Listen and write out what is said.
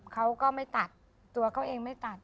เขาก็ไม่ตัดตัวเขาเองไม่ตัด